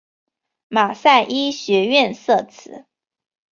马赛医学院设此。